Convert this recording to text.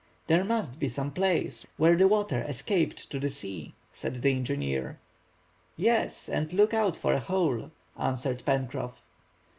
"There must be some place where the water escaped to the sea," said the engineer. "Yes, and look out for a hole," answered Pencroff.